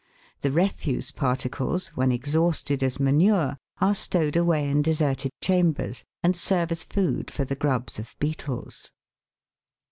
The refuse particles, when exhausted as manure, are stowed away in deserted chambers, and serve as food for the grubs of beetles.